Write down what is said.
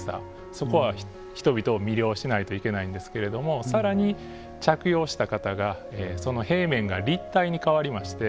そこは人々を魅了しないといけないんですけれどもさらに着用した方がその平面が立体に変わりまして